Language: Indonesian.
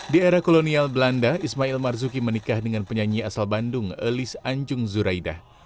di era kolonial belanda ismail marzuki menikah dengan penyanyi asal bandung elis anjung zuraida